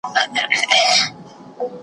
په تېر اختر کي لا هم پټ وم له سیالانو څخه .